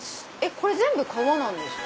これ全部革なんですか？